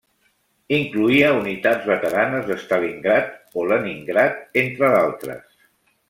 Incloïa unitats veteranes de Stalingrad o Leningrad, entre d'altres.